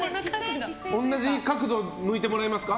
同じ角度向いてもらえますか。